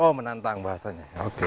oh menantang bahasanya oke